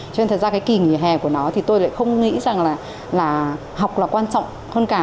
cho nên thật ra cái kỳ nghỉ hè của nó thì tôi lại không nghĩ rằng là học là quan trọng hơn cả